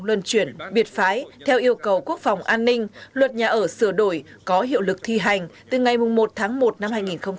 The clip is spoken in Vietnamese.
luân chuyển biệt phái theo yêu cầu quốc phòng an ninh luật nhà ở sửa đổi có hiệu lực thi hành từ ngày một tháng một năm hai nghìn hai mươi